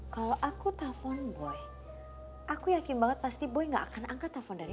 kalau aku telfon boy aku yakin banget pasti boy nggak akan angkat telfon dari